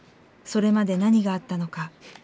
それまで何があったのか？